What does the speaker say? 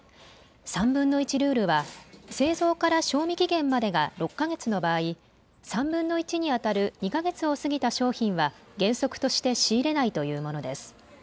３分の１ルールは製造から賞味期限までが６か月の場合、３分の１にあたる２か月を過ぎた商品は原則として仕入れないというものです。